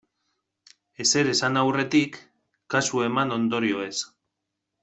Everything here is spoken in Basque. Ezer esan aurretik, kasu eman ondorioez.